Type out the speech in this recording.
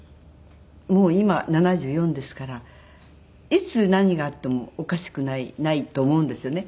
もう今７４ですからいつ何があってもおかしくないと思うんですよね。